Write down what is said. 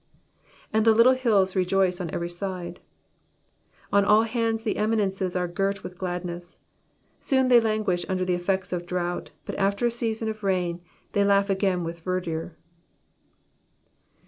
^^And the little hills rejoice on every sids,''^ On ail bands the eminences are girt with gladness. Soon they languish under the effects of drought, but after a season of rain they laugh again with verdure.